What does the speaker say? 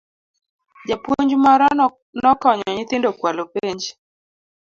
Japuonj moro nokonyo nyithindo kwalo penj